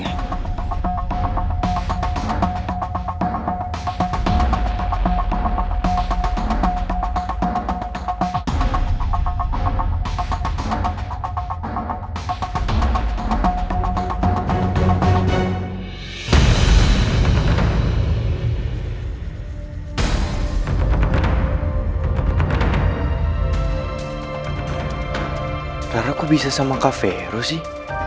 karena aku bisa sama kak fero sih